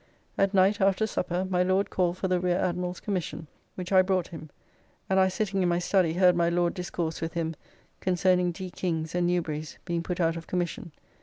At night, after supper, my Lord called for the Rear Admiral's commission, which I brought him, and I sitting in my study heard my Lord discourse with him concerning D. King's and Newberry's being put out of commission.